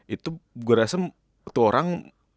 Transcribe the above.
itu gue rasa tuh orang